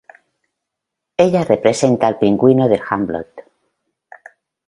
Ella representa al Pingüino de Humboldt.